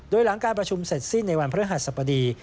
โดยหลังการประชุมเสร็จสิ้นในวันพฤหัสบดี